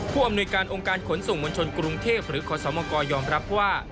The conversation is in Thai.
ผู้อำนวยการองค์การขนส่งมวลชนกรุงเทพหรือขอสมกยอมรับว่า